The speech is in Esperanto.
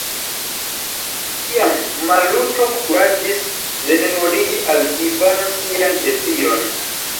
Tiam Maluto kuraĝis rememorigi al Ivano sian deziron.